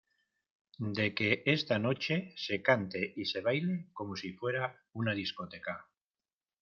de que esta noche se cante y se baile como si fuera una discoteca.